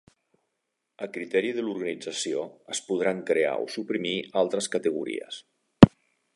A criteri de l'organització es podran crear o suprimir altres categories.